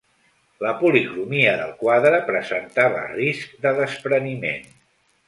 La policromia del quadre presentava risc de despreniment.